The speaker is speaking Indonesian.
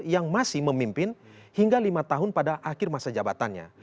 yang masih memimpin hingga lima tahun pada akhir masa jabatannya